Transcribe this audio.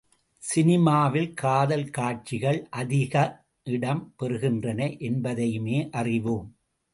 சினிமாவில் காதல் காட்சிகள் அதிகம் இடம் பெறுகின்றன என்பதையுமே அறிவோம்.